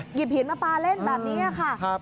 หยิบหินมาปลาเล่นแบบนี้ค่ะ